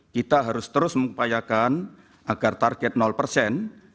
kita harus terus mengupayakan agar target persen